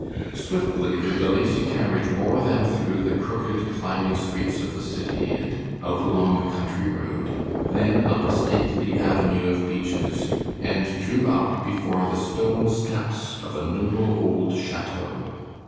Swiftly the De Lacy carriage bore them through the crooked, climbing streets of the city and out along the country road, then up a stately avenue of beeches, and drew up before the stone steps, of a noble old chateau.